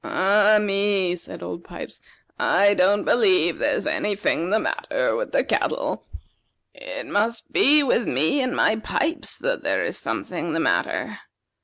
"Ah, me!" said Old Pipes; "I don't believe there's any thing the matter with the cattle. It must be with me and my pipes that there is something the matter.